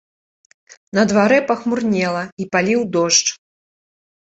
На дварэ пахмурнела і паліў дождж.